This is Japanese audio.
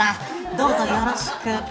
どうぞよろしく。